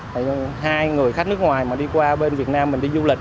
tại hai người khách nước ngoài mà đi qua bên việt nam mình đi du lịch